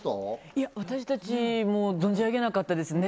いや私たちも存じ上げなかったですね